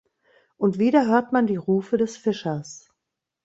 Und wieder hört man die Rufe des Fischers.